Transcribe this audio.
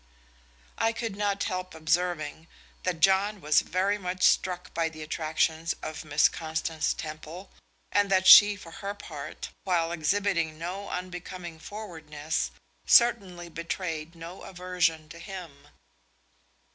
I could not help observing that John was very much struck by the attractions of Miss Constance Temple, and that she for her part, while exhibiting no unbecoming forwardness, certainly betrayed no aversion to him.